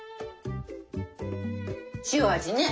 塩味ね。